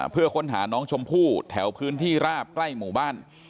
เพื่อค้นหาน้องชมพู่แถวพื้นที่ราบใกล้หมู่บ้าน